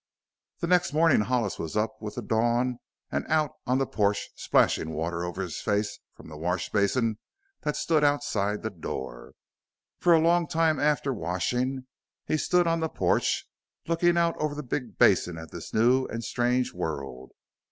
The next morning Hollis was up with the dawn and out on the porch splashing water over his face from the wash basin that stood outside the door. For a long time after washing he stood on the porch, looking out over the big basin at this new and strange world.